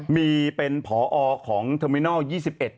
มีเป็นพอของทรมินอล์๒๑